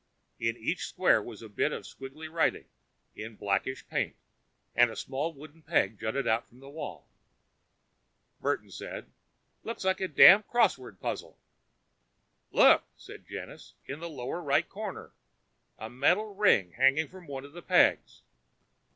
In each square was a bit of squiggly writing, in blackish paint, and a small wooden peg jutting out from the wall. Burton said, "Looks like a damn crossword puzzle." "Look," said Janus. "In the lower right corner a metal ring hanging from one of the pegs."